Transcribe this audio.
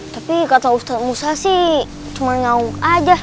tapi kata ustadz musa sih cuma nyawuk aja